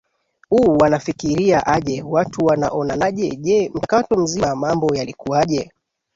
u wanafikiria aje watu wanaona je je mchakato mzima mambo yalikuwaje